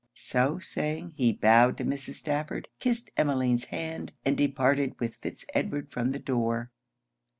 So saying, he bowed to Mrs. Stafford, kissed Emmeline's hand, and departed with Fitz Edward from the door.